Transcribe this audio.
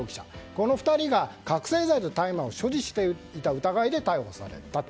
この２人が、覚醒剤と大麻を所持していた疑いで逮捕されたと。